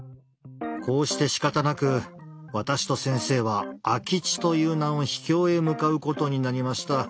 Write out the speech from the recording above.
こうしてしかたなく私と先生は空き地という名の秘境へ向かうことになりました。